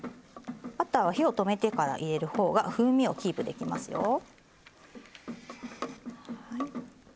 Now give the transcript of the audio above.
バターは火を止めてから入れるほうが風味をキープできますよ。